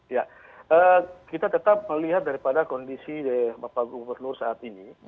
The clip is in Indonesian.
ya kita tetap melihat daripada kondisi bapak gubernur saat ini